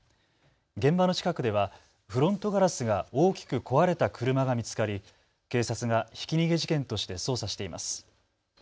現場の近くではフロントガラスが大きく壊れた車が見つかり警察がひき逃げ事件として捜査しています。